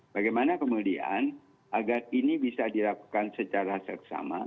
bagaimana kemudian agar ini bisa dilakukan secara seksama